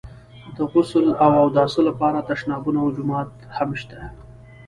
د غسل او اوداسه لپاره تشنابونه او جومات هم شته.